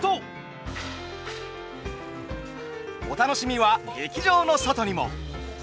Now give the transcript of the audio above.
お楽しみは劇場の外にも。